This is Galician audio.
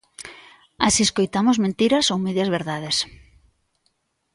Así escoitamos mentiras ou medias verdades.